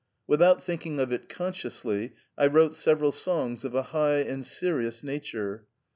Without thinking of it consciously, I wrote several songs of a high and serious nature.